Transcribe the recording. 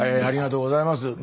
ありがとうございます。